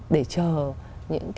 để chờ những